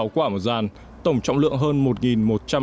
quả một dàn tổng trọng lượng hơn